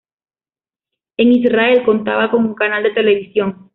En Israel contaba con un canal de televisión.